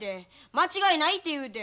間違いないって言うて。